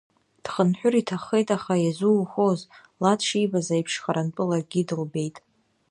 Дхынҳәыр иҭаххеит, аха иазуухоз, ла дшибаз аиԥш харантәы ларгьы дылбеит.